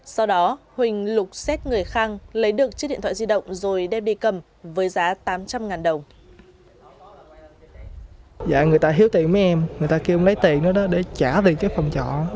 sau đó huỳnh lục xét người khang lấy được chiếc điện thoại di động rồi đem đi cầm với giá tám trăm linh đồng